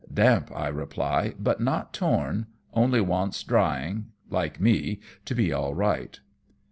"Damp," I reply, "but not torn ; only wants drying, like me, to be all right."